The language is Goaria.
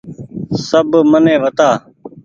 سب مني وتآ ۔